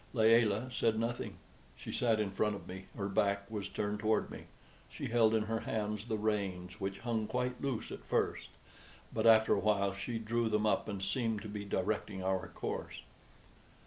Layelah said nothing. She sat in front of me; her back was turned toward me; she held in her hands the reins, which hung quite loose at first, but after a while she drew them up, and seemed to be directing our course.